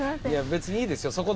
いや別にいいですよ。